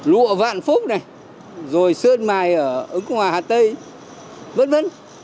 lụa vạn phúc này rồi sơn mài ở ứng hòa hà tây v v